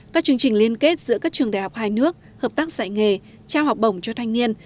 các chương trình liên kết giữa các trường đại học hai nước hợp tác dạy nghề trao học bổng cho thanh niên